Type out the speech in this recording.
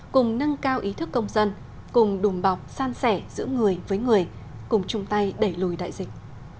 cùng nâng cao ý thức công dân cùng đùm bọc san sẻ giữa người với người cùng chung tay đẩy lùi đại dịch